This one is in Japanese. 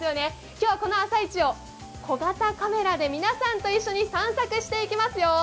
今日はこの朝市を小型カメラで皆さんと一緒に散策していきますよ。